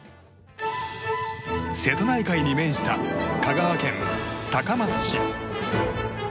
瀬戸内海に面した香川県高松市。